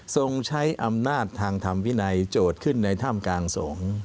ทรงใช้อำนาจทางธรรมวินัยโจทย์ขึ้นในถ้ำกลางสงฆ์